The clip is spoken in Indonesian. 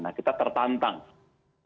nah kita tertantang untuk berdiri